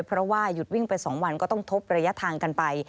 เพราะว่าหยุดวิ่งไป๒วันก็ต้องทบระยะทางกันไป